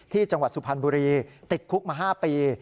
จังหวัดสุพรรณบุรีติดคุกมา๕ปี